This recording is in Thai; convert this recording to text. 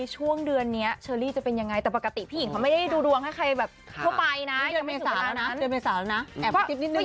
เชอร์ลี่เล่าให้ฟัง